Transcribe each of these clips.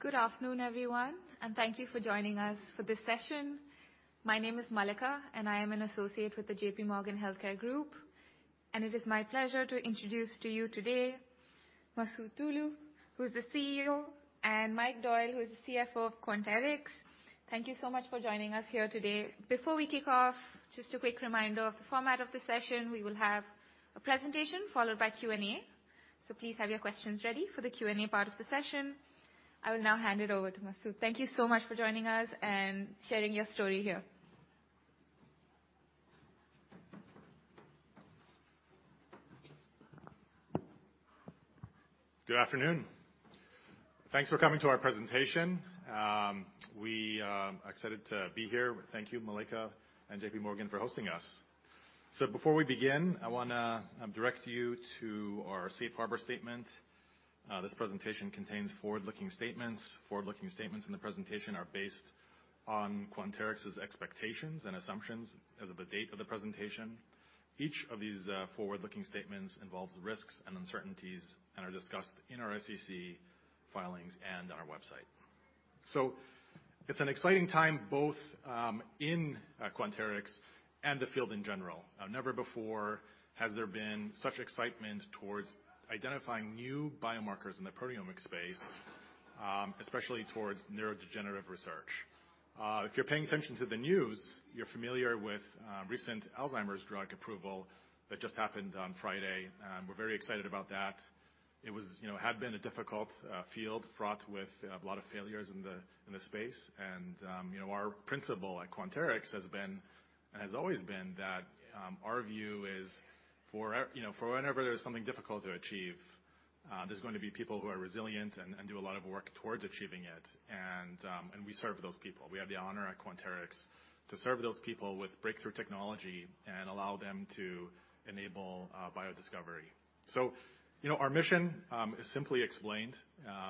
Good afternoon, everyone, and thank you for joining us for this session. My name is Mallika, and I am an associate with the JPMorgan Healthcare Group. It is my pleasure to introduce to you today Masoud Toloue, who is the CEO, and Mike Doyle, who is the CFO of Quanterix. Thank you so much for joining us here today. Before we kick off, just a quick reminder of the format of the session. We will have a presentation followed by Q&A. Please have your questions ready for the Q&A part of the session. I will now hand it over to Masoud. Thank you so much for joining us and sharing your story here. Good afternoon. Thanks for coming to our presentation. We are excited to be here. Thank you, Mallika and JPMorgan for hosting us. Before we begin, I wanna direct you to our safe harbor statement. This presentation contains forward-looking statements. Forward-looking statements in the presentation are based on Quanterix's expectations and assumptions as of the date of the presentation. Each of these forward-looking statements involves risks and uncertainties and are discussed in our SEC filings and our website. It's an exciting time both in Quanterix and the field in general. Never before has there been such excitement towards identifying new biomarkers in the proteomic space, especially towards neurodegenerative research. If you're paying attention to the news, you're familiar with recent Alzheimer's drug approval that just happened on Friday, and we're very excited about that. It was, you know, had been a difficult field fraught with a lot of failures in the space. You know, our principle at Quanterix has been, and has always been that, our view is for, you know, for whenever there's something difficult to achieve, there's going to be people who are resilient and do a lot of work towards achieving it. We serve those people. We have the honor at Quanterix to serve those people with breakthrough technology and allow them to enable biodiscovery. You know, our mission is simply explained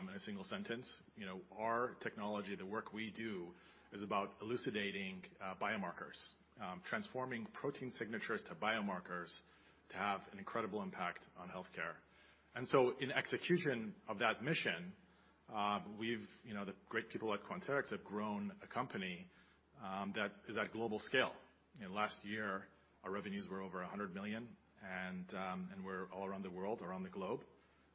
in a single sentence. You know, our technology, the work we do is about elucidating biomarkers, transforming protein signatures to biomarkers to have an incredible impact on healthcare. In execution of that mission, we've, you know, the great people at Quanterix have grown a company that is at global scale. You know, last year, our revenues were over $100 million, and we're all around the world, around the globe.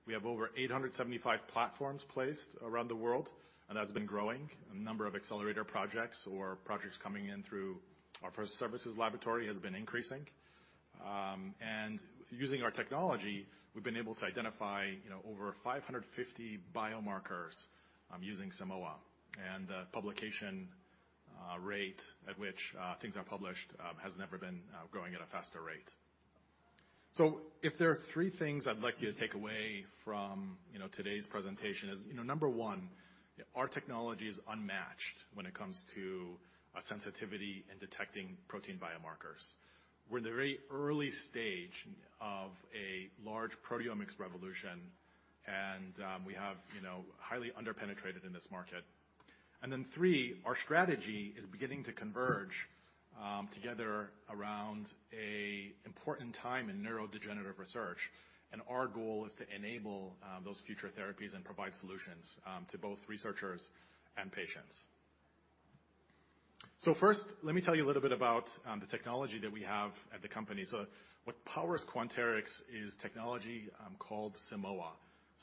We have over 875 platforms placed around the world, and that's been growing. A number of accelerator projects or projects coming in through our first services laboratory has been increasing. Using our technology, we've been able to identify, you know, over 550 biomarkers using Simoa. The publication rate at which things are published has never been growing at a faster rate. If there are three things I'd like you to take away from, you know, today's presentation is, you know, number one, our technology is unmatched when it comes to sensitivity in detecting protein biomarkers. We're in the very early stage of a large proteomics revolution, and we have, you know, highly under-penetrated in this market. three, our strategy is beginning to converge together around a important time in neurodegenerative research. Our goal is to enable those future therapies and provide solutions to both researchers and patients. First, let me tell you a little bit about the technology that we have at the company. What powers Quanterix is technology called Simoa.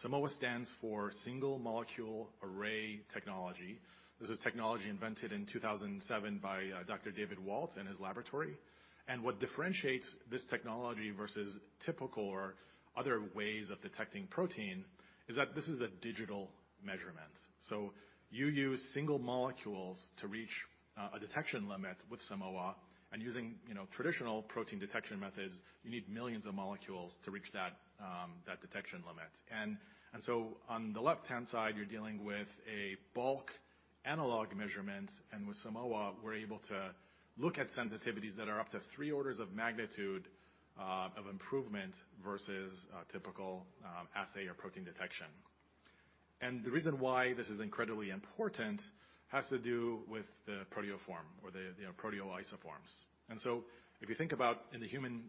Simoa stands for Single Molecule Array technology. This is technology invented in 2007 by Dr. David Walt in his laboratory. What differentiates this technology versus typical or other ways of detecting protein is that this is a digital measurement. You use single molecules to reach a detection limit with Simoa and using, you know, traditional protein detection methods, you need millions of molecules to reach that detection limit. On the left-hand side, you're dealing with a bulk analog measurement, and with Simoa, we're able to look at sensitivities that are up to three orders of magnitude of improvement versus typical assay or protein detection. The reason why this is incredibly important has to do with the proteoform or the, you know, proteoisoforms. If you think about in the human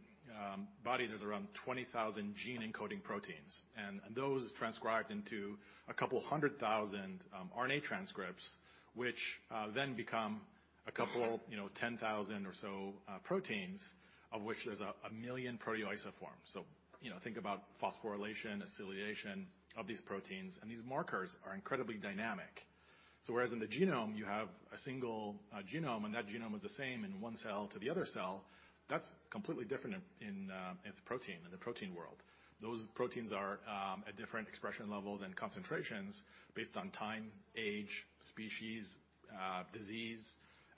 body, there's around 20,000 gene-encoding proteins. Those transcribed into a couple hundred thousand RNA transcripts, which then become a couple, you know, 10,000 or so proteins, of which there's a 1 million proteoforms. You know, think about phosphorylation, acylation of these proteins, and these markers are incredibly dynamic. Whereas in the genome, you have a single genome, and that genome is the same in one cell to the other cell, that's completely different in the protein world. Those proteins are at different expression levels and concentrations based on time, age, species, disease.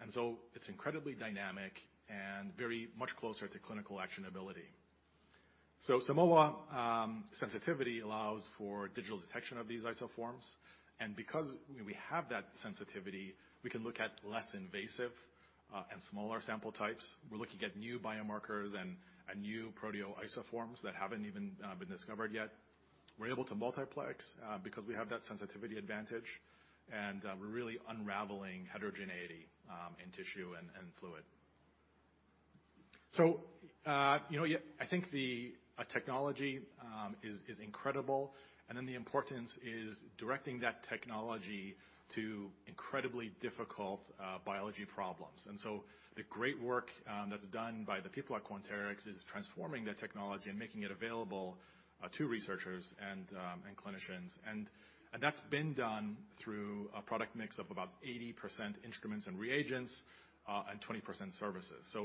It's incredibly dynamic and very much closer to clinical actionability. Simoa sensitivity allows for digital detection of these isoforms. Because we have that sensitivity, we can look at less invasive and smaller sample types. We're looking at new biomarkers and new proteoforms that haven't even been discovered yet. We're able to multiplex because we have that sensitivity advantage, and we're really unraveling heterogeneity in tissue and fluid. you know, yeah, I think the technology is incredible, and then the importance is directing that technology to incredibly difficult biology problems. The great work that's done by the people at Quanterix is transforming the technology and making it available to researchers and clinicians. That's been done through a product mix of about 80% instruments and reagents and 20% services.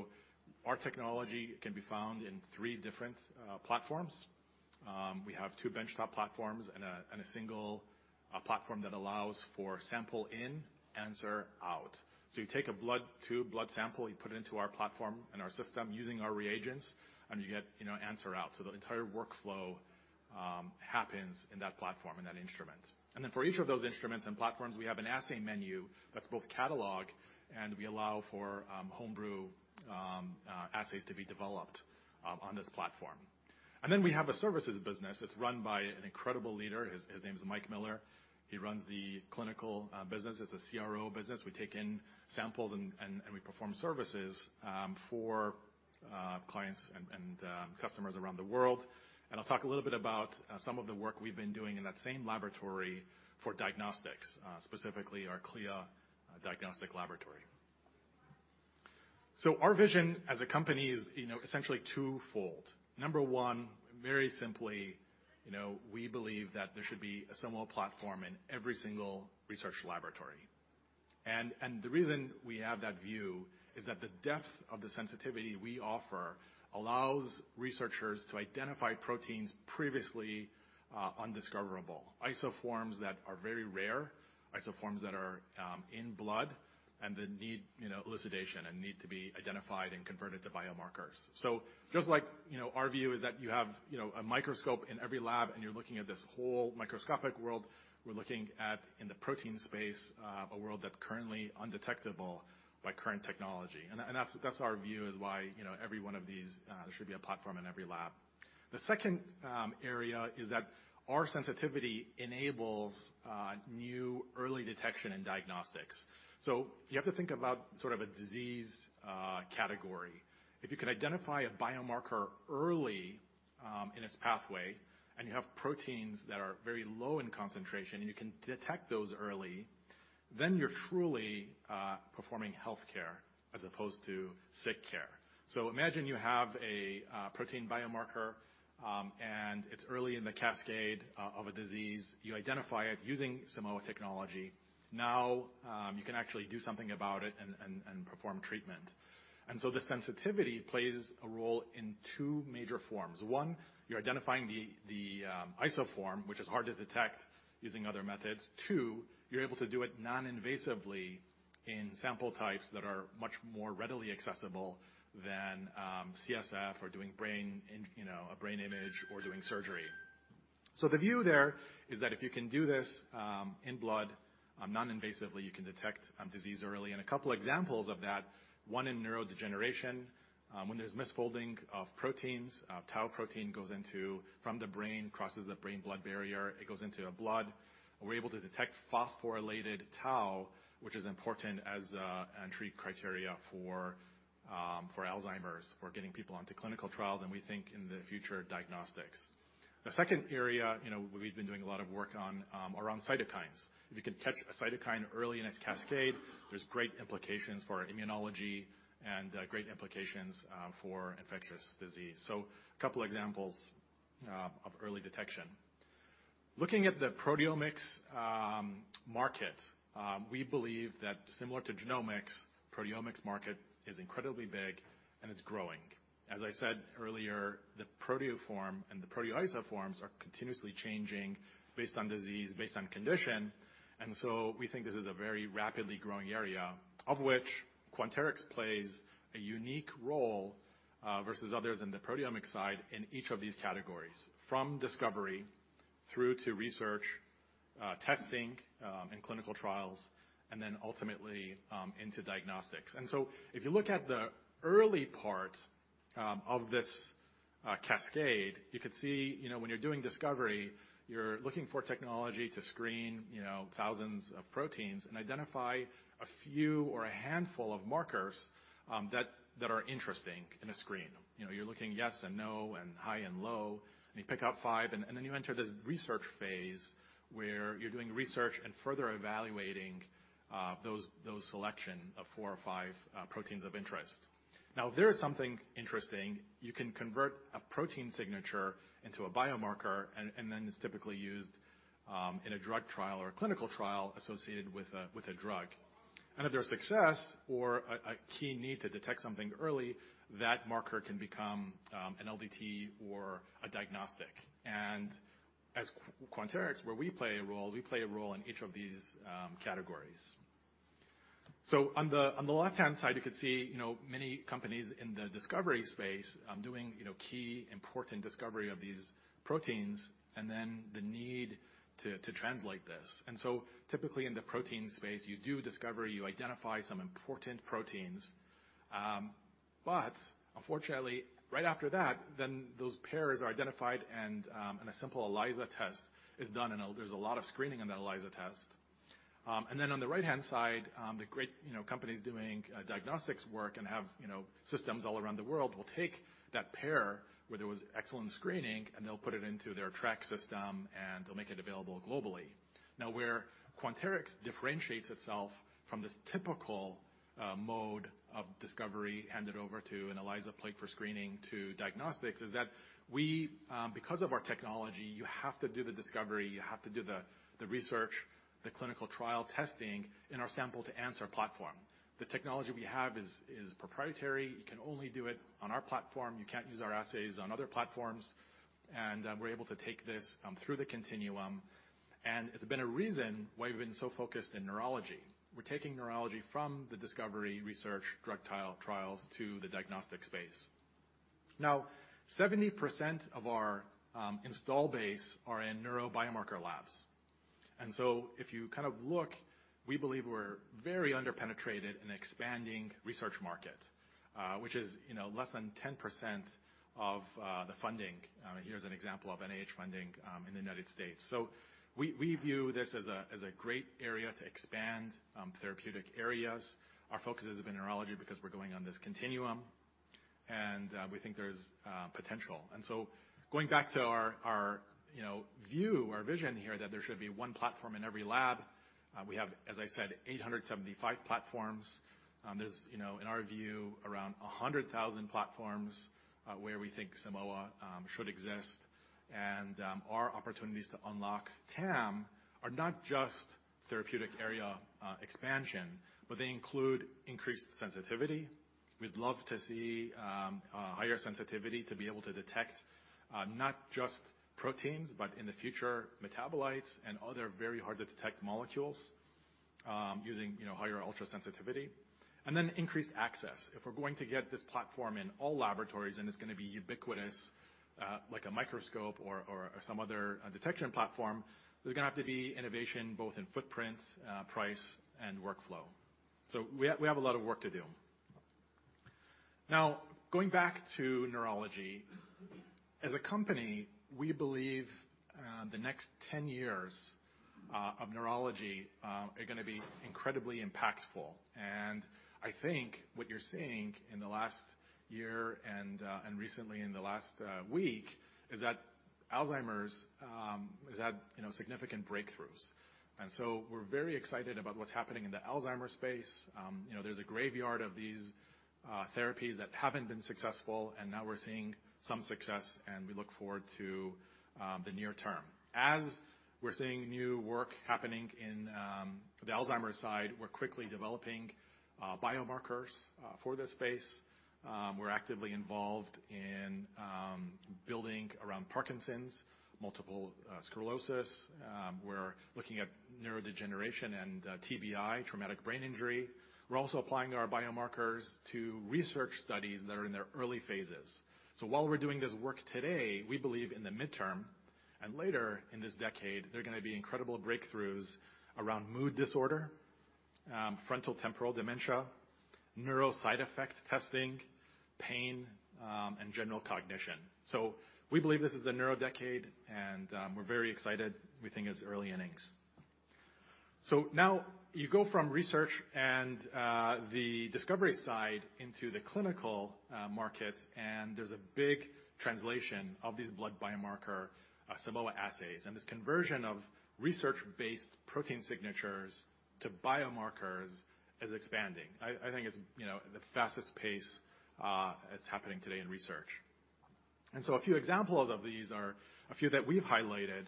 Our technology can be found in three different platforms. We have two benchtop platforms and a single platform that allows for sample in, answer out. You take a blood tube, blood sample, you put it into our platform and our system using our reagents, and you get answer out. The entire workflow happens in that platform and that instrument. For each of those instruments and platforms, we have an assay menu that's both catalogued, and we allow for home brew assays to be developed on this platform. We have a services business that's run by an incredible leader. His name is Mike Miller. He runs the clinical business. It's a CRO business. We take in samples and we perform services for clients and customers around the world. I'll talk a little bit about some of the work we've been doing in that same laboratory for diagnostics, specifically our CLIA diagnostic laboratory. Our vision as a company is, you know, essentially twofold. Number one, very simply, you know, we believe that there should be a similar platform in every single research laboratory. The reason we have that view is that the depth of the sensitivity we offer allows researchers to identify proteins previously undiscoverable. Isoforms that are very rare, isoforms that are in blood and they need, you know, elucidation and need to be identified and converted to biomarkers. Just like, you know, our view is that you have, you know, a microscope in every lab and you're looking at this whole microscopic world, we're looking at, in the protein space, a world that's currently undetectable by current technology. That's our view is why, you know, every one of these, there should be a platform in every lab. The second area is that our sensitivity enables new early detection and diagnostics. You have to think about sort of a disease category. If you can identify a biomarker early in its pathway, and you have proteins that are very low in concentration, and you can detect those early, then you're truly performing healthcare as opposed to sick care. Imagine you have a protein biomarker, and it's early in the cascade of a disease. You identify it using Simoa technology. Now, you can actually do something about it and perform treatment. The sensitivity plays a role in two major forms. One, you're identifying the isoform, which is hard to detect using other methods. Two, you're able to do it non-invasively in sample types that are much more readily accessible than CSF or doing brain, you know, a brain image or doing surgery. The view there is that if you can do this in blood, non-invasively, you can detect disease early. A couple examples of that, one in neurodegeneration, when there's misfolding of proteins, tau protein goes from the brain, crosses the brain-blood barrier, it goes into your blood. We're able to detect phosphorylated tau, which is important as entry criteria for Alzheimer's, for getting people onto clinical trials, and we think in the future, diagnostics. The second area, you know, we've been doing a lot of work on around cytokines. If you can catch a cytokine early in its cascade, there's great implications for immunology and great implications for infectious disease. A couple examples of early detection. Looking at the proteomics market, we believe that similar to genomics, proteomics market is incredibly big, and it's growing. As I said earlier, the proteoform and the proteoisoforms are continuously changing based on disease, based on condition. We think this is a very rapidly growing area of which Quanterix plays a unique role versus others in the proteomic side in each of these categories. From discovery through to research, testing, and clinical trials, and then ultimately into diagnostics. If you look at the early part of this cascade, you could see, you know, when you're doing discovery, you're looking for technology to screen, you know, thousands of proteins and identify a few or a handful of markers that are interesting in a screen. You know, you're looking yes and no and high and low, and you pick out five and then you enter this research phase where you're doing research and further evaluating those selection of four or five proteins of interest. If there is something interesting, you can convert a protein signature into a biomarker, and then it's typically used in a drug trial or a clinical trial associated with a drug. If there's success or a key need to detect something early, that marker can become an LDT or a diagnostic. As Quanterix where we play a role, we play a role in each of these categories. On the, on the left-hand side, you could see, you know, many companies in the discovery space, doing, you know, key important discovery of these proteins, to translate this. Typically in the protein space, you do discover, you identify some important proteins. Unfortunately, right after that, then those pairs are identified and a simple ELISA test is done, and there's a lot of screening in the ELISA test. On the right-hand side, the great, you know, companies doing diagnostics work and have, you know, systems all around the world will take that pair where there was excellent screening, and they'll put it into their trac system, and they'll make it available globally. Now, where Quanterix differentiates itself from this typical mode of discovery handed over to an ELISA plate for screening to diagnostics is that we, because of our technology, you have to do the discovery, you have to do the research, the clinical trial testing in our sample to answer platform. The technology we have is proprietary. You can only do it on our platform. You can't use our assays on other platforms, and we're able to take this through the continuum, and it's been a reason why we've been so focused in neurology. We're taking neurology from the discovery research drug trial, trials to the diagnostic space. Now, 70% of our install base are in neuro biomarker labs. If you kind of look, we believe we're very under-penetrated and expanding research market, which is, you know, less than 10% of the funding. Here's an example of NIH funding in the United States. We view this as a great area to expand therapeutic areas. Our focus is of neurology because we're going on this continuum, and we think there's potential. Going back to our, you know, view, our vision here, that there should be one platform in every lab, we have, as I said, 875 platforms. There's, you know, in our view, around 100,000 platforms where we think Simoa should exist. Our opportunities to unlock TAM are not just therapeutic area expansion, but they include increased sensitivity. We'd love to see higher sensitivity to be able to detect not just proteins, but in the future, metabolites and other very hard to detect molecules, using, you know, higher ultra sensitivity. Increased access. If we're going to get this platform in all laboratories, and it's gonna be ubiquitous, like a microscope or some other detection platform, there's gonna have to be innovation both in footprint, price and workflow. We have a lot of work to do. Now, going back to neurology. As a company, we believe, the next 10 years, of neurology, are gonna be incredibly impactful. I think what you're seeing in the last year and recently in the last week is that Alzheimer's has had, you know, significant breakthroughs. We're very excited about what's happening in the Alzheimer's space. You know, there's a graveyard of these therapies that haven't been successful, and now we're seeing some success, and we look forward to the near term. As we're seeing new work happening in the Alzheimer's side, we're quickly developing biomarkers for this space. We're actively involved in building around Parkinson's disease, and multiple sclerosis. We're looking at neurodegeneration and TBI, traumatic brain injury. We're also applying our biomarkers to research studies that are in their early phases. While we're doing this work today, we believe in the midterm and later in this decade, there are gonna be incredible breakthroughs around mood disorder, frontotemporal dementia, neuro-side-effect testing, pain, and general cognition. We believe this is the neuro decade, and we're very excited. We think it's early innings. Now you go from research and the discovery side into the clinical market, and there's a big translation of these blood-based biomarker Simoa assays. This conversion of research-based protein signatures to biomarkers is expanding. I think it's, you know, the fastest pace that's happening today in research. A few examples of these are a few that we've highlighted.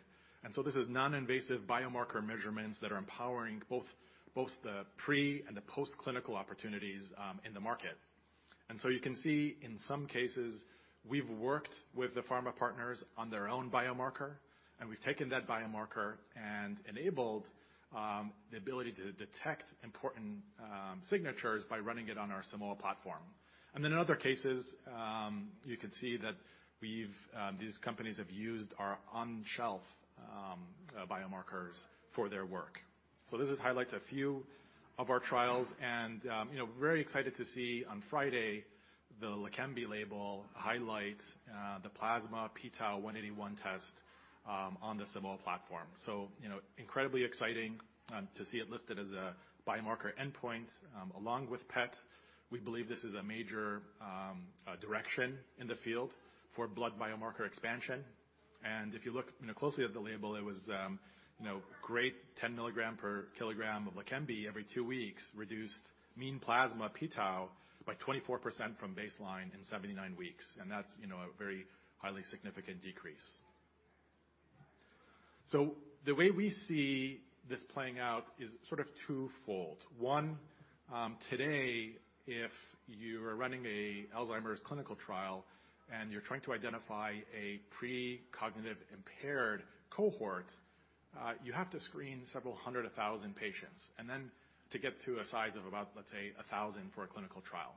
This is non-invasive biomarker measurements that are empowering both the preclinical and the postclinical opportunities in the market. You can see in some cases, we've worked with the pharma partners on their own biomarker, and we've taken that biomarker and enabled the ability to detect important signatures by running it on our Simoa platform. In other cases, you can see that we've these companies have used our off-the-shelf biomarkers for their work. This just highlights a few of our trials and, you know, very excited to see on Friday the Leqembi label highlight the plasma p-tau181 test on the Simoa platform. You know, incredibly exciting to see it listed as a biomarker endpoint along with PET imaging imaging. We believe this is a major direction in the field for blood biomarker expansion. If you look, you know, closely at the label, it was, you know, great 10 milligrams per kilogram of Leqembi every two weeks reduced mean plasma p-tau181 by 24% from baseline in 79 weeks. That's, you know, a very highly significant decrease. The way we see this playing out is sort of twofold. One, today, if you are running an Alzheimer's clinical trial and you're trying to identify a pre-cognitive impaired cohort, you have to screen several hundred of thousand patients, and then to get to a size of about, let's say, 1,000 for a clinical trial.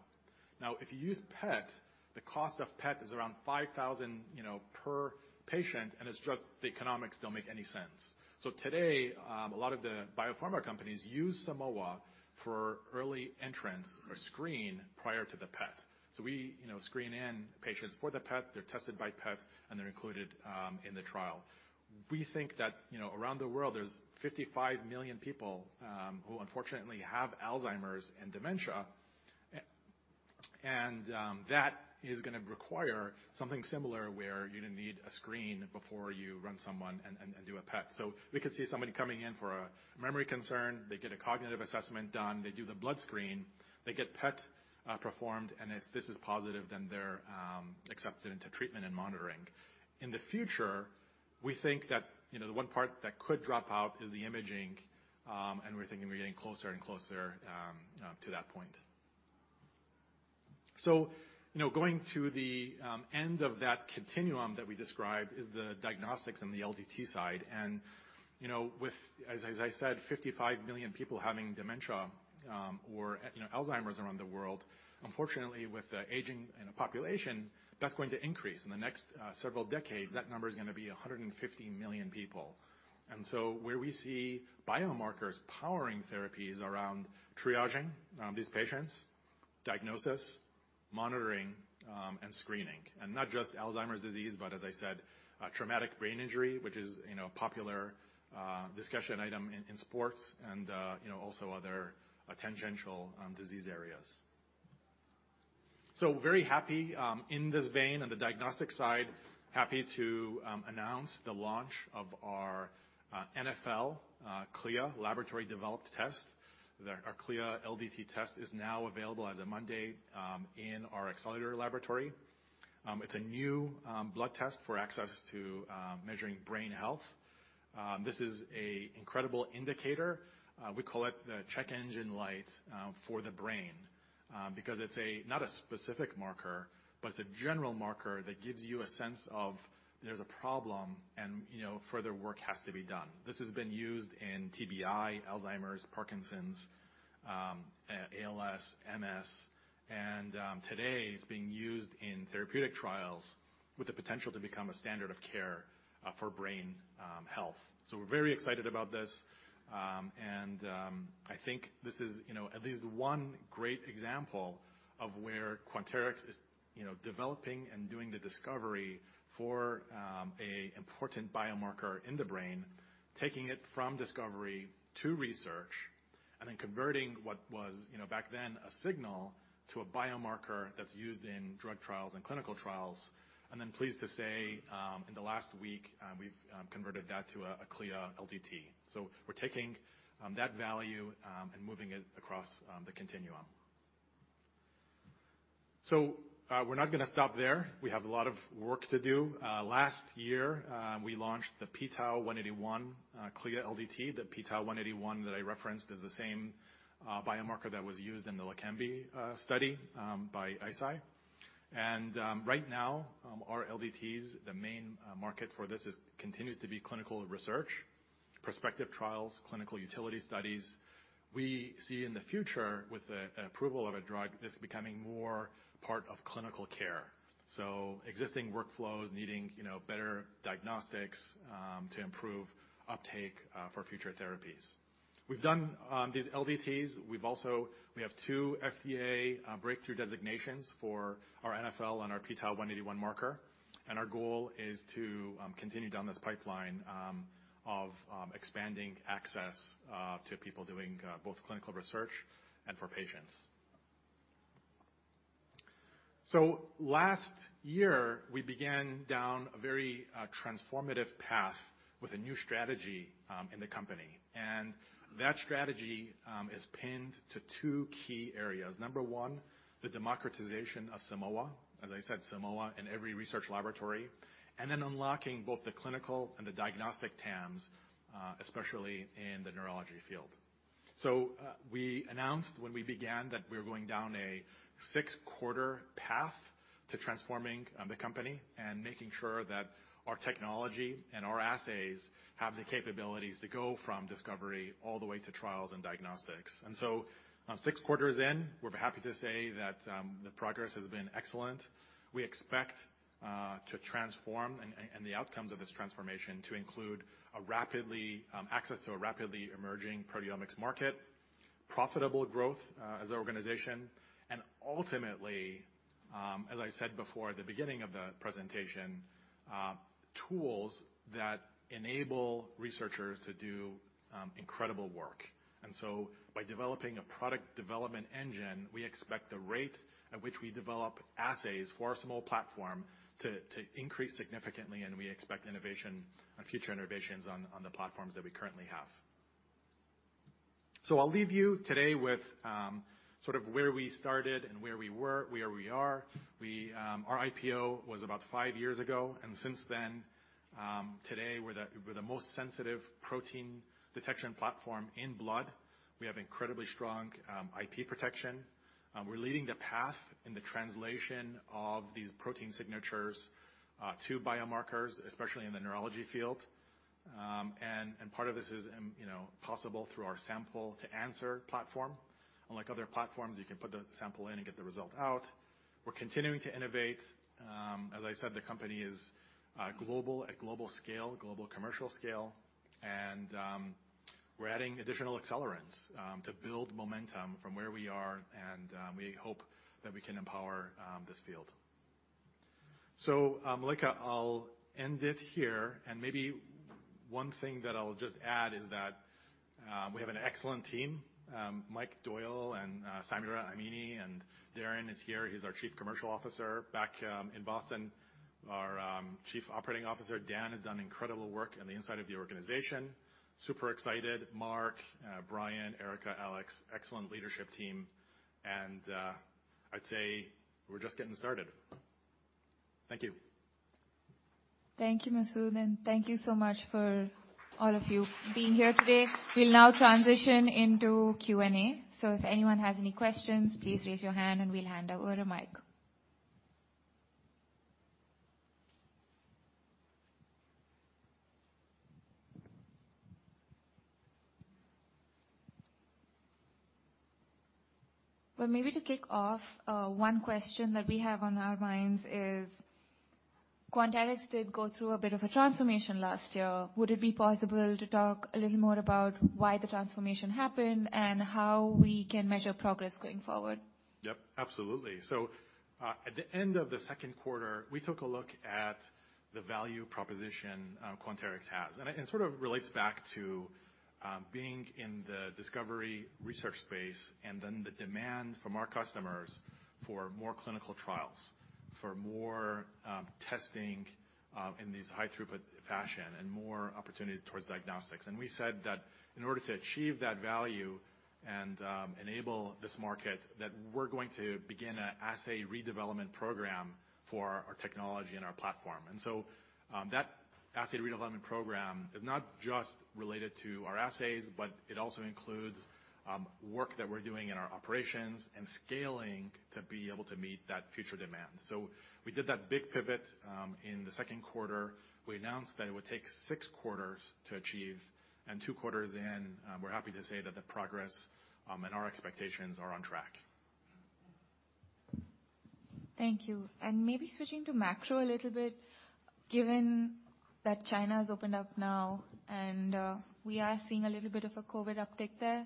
If you use PET imaging the cost is around $5,000 per patient, and it's just the economics don't make any sense. Today, a lot of the biopharma companies use Simoa for early entrance or screen prior to the PET imaging. We, you know, screen in patients for the PET imaging, they're tested by PET imaging, and they're included in the trial. We think that, you know, around the world there's 55 million people who unfortunately have Alzheimer's and dementia. That is going to require something similar, where you're going to need a screen before you run someone and do a PET imaging. We could see somebody coming in for a memory concern, they get a cognitive assessment done, they do the blood screen, they get PET imaging performed, and if this is positive, then they're accepted into treatment and monitoring. In the future, we think that, you know, the one part that could drop out is the imaging, and we're thinking we're getting closer and closer to that point. You know, going to the end of that continuum that we described is the diagnostics and the LDT side. You know, with... as I said, 55 million people having dementia, or at, you know, Alzheimer's around the world, unfortunately with the aging, you know, population, that's going to increase. In the next several decades, that number is gonna be 150 million people. Where we see biomarkers powering therapies around triaging these patients, diagnosis, monitoring, and screening. Not just Alzheimer's disease, but as I said, traumatic brain injury, which is, you know, a popular discussion item in sports and, you know, also other tangential disease areas. Very happy, in this vein on the diagnostic side, happy to announce the launch of our NfL CLIA laboratory developed test. Our CLIA LDT test is now available as of Monday in our Accelerator Laboratory. It's a new blood test for access to measuring brain health. This is a incredible indicator. We call it the "check engine" light for the brain because it's a, not a specific marker, but it's a general marker that gives you a sense of there's a problem and, you know, further work has to be done. This has been used in TBI, Alzheimer's, Parkinson's disease, ALS, multiple sclerosis, and today it's being used in therapeutic trials with the potential to become a standard of care for brain health. We're very excited about this. I think this is, you know, at least one great example of where Quanterix is, you know, developing and doing the discovery for a important biomarker in the brain, taking it from discovery to research, and then converting what was, you know, back then a signal to a biomarker that's used in drug trials and clinical trials. Pleased to say, in the last week, we've converted that to a CLIA LDT. We're taking that value and moving it across the continuum. We're not gonna stop there. We have a lot of work to do. Last year, we launched the p-tau181 CLIA LDT. The p-tau181 that I referenced is the same biomarker that was used in the Leqembi study by Eisai. Right now, our LDTs, the main market for this is continues to be clinical research, prospective trials, clinical utility studies. We see in the future with the, an approval of a drug, this becoming more part of clinical care. Existing workflows needing, you know, better diagnostics to improve uptake for future therapies. We've done these LDTs. We have two FDA breakthrough designations for our NfL and our p-tau181 marker. Our goal is to continue down this pipeline of expanding access to people doing both clinical research and for patients. Last year, we began down a very transformative path with a new strategy in the company. That strategy is pinned to two key areas. Number one, the democratization of Simoa. As I said, Simoa in every research laboratory. Unlocking both the clinical and the diagnostic TAMs, especially in the neurology field. We announced when we began that we're going down a six-quarter path to transforming the company and making sure that our technology and our assays have the capabilities to go from discovery all the way to trials and diagnostics. Six quarters in, we're happy to say that the progress has been excellent. We expect to transform and the outcomes of this transformation to include a rapidly access to a rapidly emerging proteomics market, profitable growth as an organization, and ultimately, as I said before at the beginning of the presentation, tools that enable researchers to do incredible work. By developing a product development engine, we expect the rate at which we develop assays for our Simoa platform to increase significantly, and we expect innovation, future innovations on the platforms that we currently have. I'll leave you today with sort of where we started and where we are. Our IPO was about five years ago, and since then, today we're the most sensitive protein detection platform in blood. We have incredibly strong IP protection. We're leading the path in the translation of these protein signatures to biomarkers, especially in the neurology field. Part of this is, you know, possible through our sample-to-answer platform. Unlike other platforms, you can put the sample in and get the result out. We're continuing to innovate. As I said, the company is global, at global scale, global commercial scale, we're adding additional accelerants to build momentum from where we are and we hope that we can empower this field. Mallika, I'll end it here. Maybe one thing that I'll just add is that we have an excellent team. Mike Doyle, Samira Amini, Darren is here. He's our Chief Commercial Officer. Back in Boston, our Chief Operating Officer, Dan, has done incredible work in the inside of the organization. Super excited. Mark, Brian, Erica, Alex, excellent leadership team and I'd say we're just getting started. Thank you. Thank you, Masoud, and thank you so much for all of you being here today. We'll now transition into Q&A. If anyone has any questions, please raise your hand and we'll hand over a mic. Well, maybe to kick off, one question that we have on our minds is, Quanterix did go through a bit of a transformation last year. Would it be possible to talk a little more about why the transformation happened and how we can measure progress going forward? Yep, absolutely. At the end of the second quarter, we took a look at the value proposition Quanterix has, and it sort of relates back to being in the discovery research space and then the demand from our customers for more clinical trials, for more testing in these high throughput fashion and more opportunities towards diagnostics. We said that in order to achieve that value and enable this market, that we're going to begin a assay redevelopment program for our technology and our platform. That assay redevelopment program is not just related to our assays, but it also includes work that we're doing in our operations and scaling to be able to meet that future demand. We did that big pivot in the second quarter. We announced that it would take six quarters to achieve, two quarters in, we're happy to say that the progress, and our expectations are on track. Thank you. Maybe switching to macro a little bit, given that China has opened up now and we are seeing a little bit of a COVID-19 uptick there.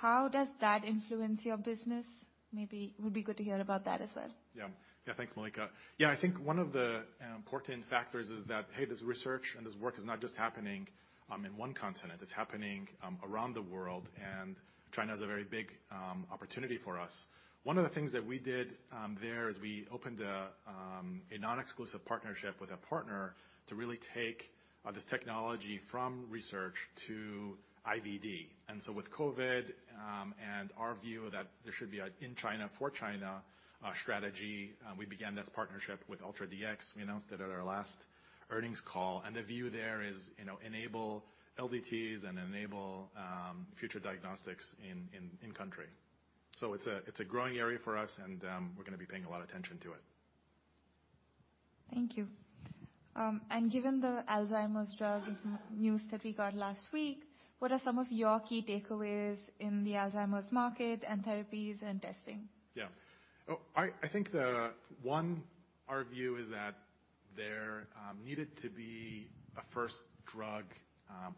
How does that influence your business? Maybe would be good to hear about that as well. Yeah. Thanks, Mallika. Yeah, I think one of the important factors is that, hey, this research and this work is not just happening in one continent. It's happening around the world. China is a very big opportunity for us. One of the things that we did there is we opened a non-exclusive partnership with a partner to really take this technology from research to IVD. With COVID-19, and our view that there should be a in China for China strategy, we began this partnership with UltrDX. We announced it at our last earnings call. The view there is, you know, enable LDTs and enable future diagnostics in, in country. It's a, it's a growing area for us and we're gonna be paying a lot of attention to it. Thank you. Given the Alzheimer's drug news that we got last week, what are some of your key takeaways in the Alzheimer's market and therapies and testing? Yeah. Oh, I think the... One, our view is that there needed to be a first drug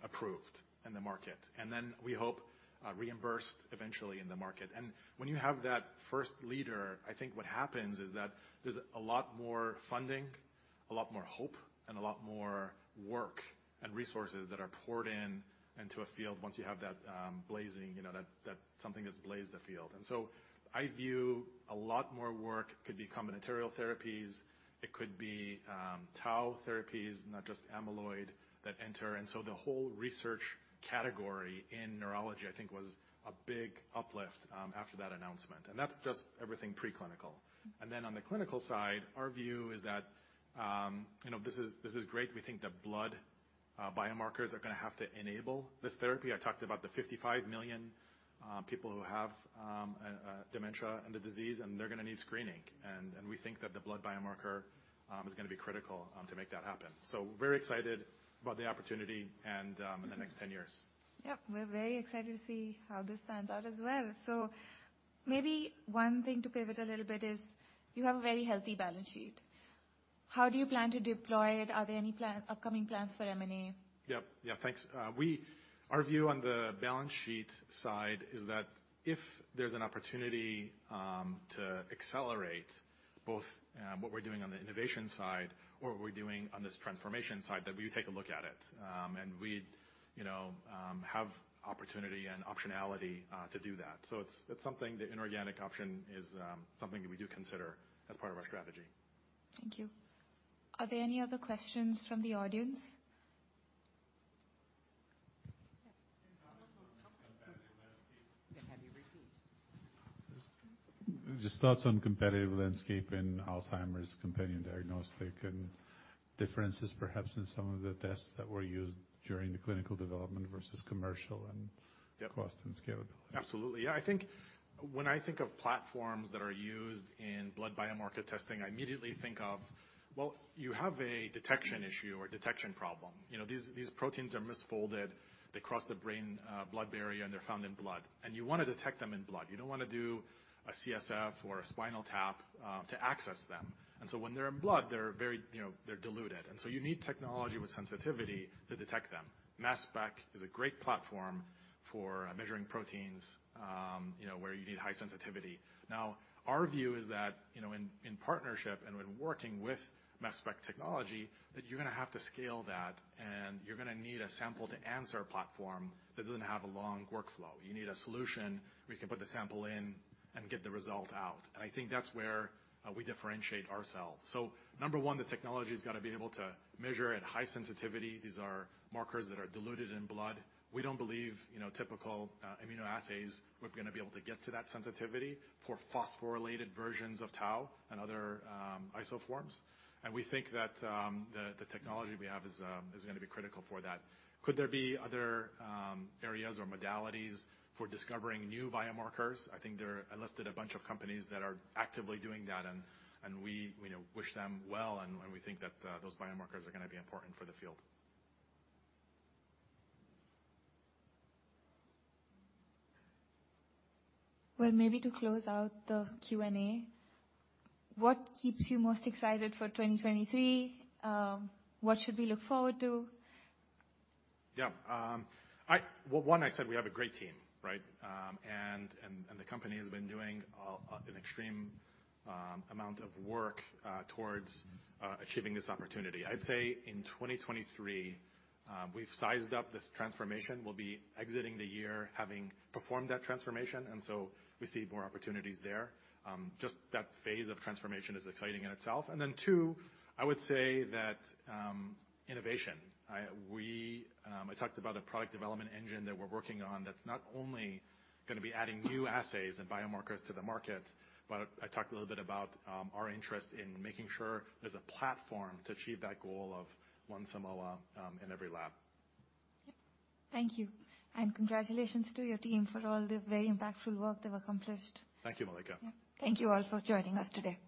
approved in the market, and then we hope reimbursed eventually in the market. When you have that first leader, I think what happens is that there's a lot more funding, a lot more hope, and a lot more work and resources that are poured into a field once you have that blazing, you know, that something that's blazed the field. So I view a lot more work could be combinatorial therapies. It could be tau therapies, not just amyloid that enter. So the whole research category in neurology, I think was a big uplift after that announcement. That's just everything preclinical. Then on the clinical side, our view is that, you know, this is great. We think that blood, biomarkers are gonna have to enable this therapy. I talked about the 55 million people who have dementia and the disease, and they're gonna need screening. We think that the blood biomarker is gonna be critical to make that happen. We're excited about the opportunity and in the next 10 years. Yep. We're very excited to see how this pans out as well. Maybe one thing to pivot a little bit is you have a very healthy balance sheet. How do you plan to deploy it? Are there any upcoming plans for M&A? Yep. Yeah, thanks. Our view on the balance sheet side is that if there's an opportunity to accelerate both what we're doing on the innovation side or what we're doing on this transformation side, that we take a look at it. We, you know, have opportunity and optionality to do that. It's something, the inorganic option is something that we do consider as part of our strategy. Thank you. Are there any other questions from the audience? Can have you repeat. Just thoughts on competitive landscape in Alzheimer's companion diagnostic and differences perhaps in some of the tests that were used during the clinical development versus commercial and-. Yep. -cost and scalability. Absolutely. Yeah, I think when I think of platforms that are used in blood biomarker testing, I immediately think of. Well, you have a detection issue or detection problem. You know, these proteins are misfolded. They cross the blood-based biomarker testing, and they're found in blood, and you wanna detect them in blood. You don't wanna do a CSF or a spinal tap to access them. When they're in blood, they're very, you know, they're diluted, and so you need technology with sensitivity to detect them. Mass spectrometry is a great platform for measuring proteins, you know, where you need high sensitivity. Our view is that, you know, in partnership and when working with mass spectrometry technologies, that you're gonna have to scale that, and you're gonna need a sample-to-answer platform that doesn't have a long workflow. You need a solution where you can put the sample in and get the result out, and I think that's where we differentiate ourselves. Number one, the technology's gotta be able to measure at high sensitivity. These are markers that are diluted in blood. We don't believe, you know, typical immunoassays are gonna be able to get to that sensitivity for phosphorylated versions of tau and other isoforms. We think that the technology we have is gonna be critical for that. Could there be other areas or modalities for discovering new biomarkers? I think I listed a bunch of companies that are actively doing that and we, you know, wish them well, and we think that those biomarkers are gonna be important for the field. Well, maybe to close out the Q&A, what keeps you most excited for 2023? What should we look forward to? Yeah. Well, one, I said we have a great team, right? The company has been doing an extreme amount of work towards achieving this opportunity. I'd say in 2023, we've sized up this transformation. We'll be exiting the year having performed that transformation, and so we see more opportunities there. Just that phase of transformation is exciting in itself. Then two, I would say that innovation. We, I talked about a product development engine that we're working on that's not only gonna be adding new assays and biomarkers to the market, but I talked a little bit about our interest in making sure there's a platform to achieve that goal of one Simoa in every lab. Thank you. Congratulations to your team for all the very impactful work they've accomplished. Thank you, Mallika. Yeah. Thank you all for joining us today.